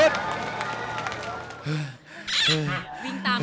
แล้ว